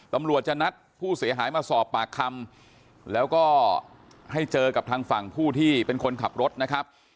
ตำรวจจะนัดผู้เสียหายมาสอบปากคำแล้วก็ให้เจอกับทางฝั่งผู้ที่เป็นคนขับรถนะครับ